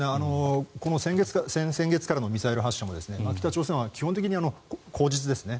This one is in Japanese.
この先月からのミサイル発射も北朝鮮は基本的に口実ですね